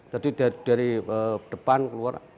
jadi dari depan keluar